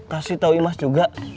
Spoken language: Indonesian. kasih tau imas juga